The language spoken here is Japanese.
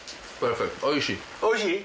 おいしい？